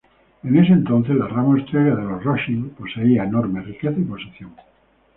En ese entonces la rama austriaca de los Rothschild poseía enorme riqueza y posición.